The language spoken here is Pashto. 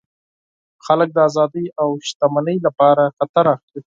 خلک د آزادۍ او شتمنۍ لپاره خطر اخلي.